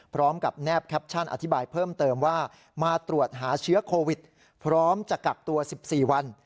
พร้อมกับแนบแคปชั่นอธิบายเพิ่มเติมว่ามาตรวจหาเชื้อโควิดพร้อมจะกลับตัวสิบสี่วัน